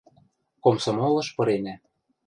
Комсомолыш пыренӓ.